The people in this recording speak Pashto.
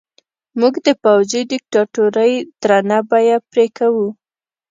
موږ د پوځي دیکتاتورۍ درنه بیه پرې کوو.